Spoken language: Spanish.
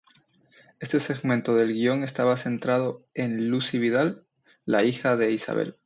Este segmento del guion estaba centrado en Lucy Vidal, la hija de Isabel.